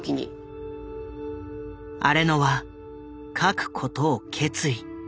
荒野は書くことを決意。